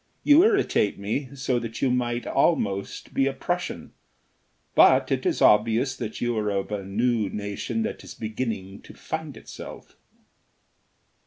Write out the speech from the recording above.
You irritate me so that you might almost be a Prussian. But it is obvious that you are of a new nation that is beginning to find itself."